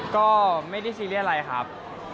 ก็ไม่ได้ซีเรียสอะไรครับ